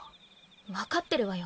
分かってるわよ。